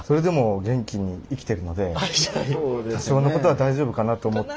多少のことは大丈夫かなと思って。